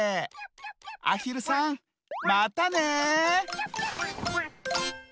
あひるさんまたね！